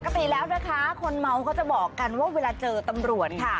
ปกติแล้วนะคะคนเมาเขาจะบอกกันว่าเวลาเจอตำรวจค่ะ